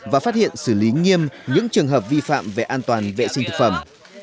và phát hiện xử lý nghiêm những trường hợp vi phạm về an toàn vệ sinh thực phẩm